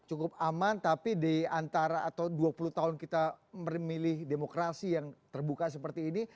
cukup aman tapi di antara atau dua puluh tahun kita memilih demokrasi yang terbuka seperti ini